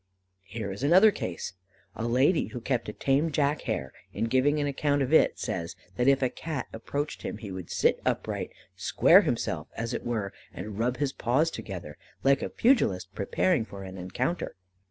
Here is another case: A lady who kept a tame Jack Hare, in giving an account of it, says, that if a Cat approached him he would sit upright, "square himself," as it were, and rub his paws together like a pugilist preparing for an encounter.